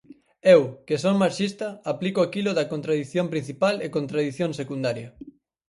Eu, que son marxista, aplico aquilo de contradición principal e contradición secundaria.